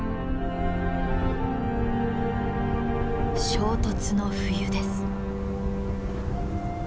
衝突の冬です。